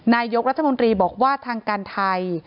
นายกรัฐมนตรีบอกว่าทางการไทย